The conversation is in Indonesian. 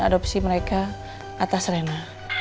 adopsi mereka atas rena